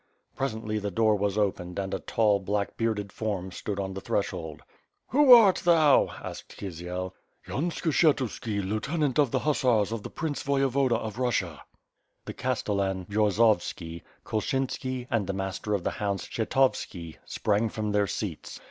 Presently the door was opened and a tall, black bearded form stood on the threshold. "Who art thou?" a^ked Kisiel. "Yan Skshetuski, lieutenant of the Hussars of the Prince Voyevoda of Russia." The Castellan Bjorzovski, Kulchinski, and the Master of the Hounds Kshetovski sprang from their seats.